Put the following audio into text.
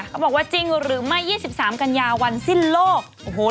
เขาบอกว่าจริงหรือไม่๒๓กันยาวันสิ้นโลกโอ้โห